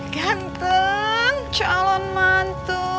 ganteng calon mantu